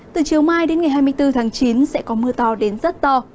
từ chiều mai đến ngày hai mươi bốn tháng chín sẽ có mưa to đến rất to